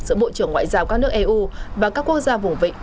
giữa bộ trưởng ngoại giao các nước eu và các quốc gia vùng vịnh